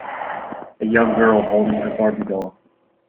A young girl holding her barbie doll.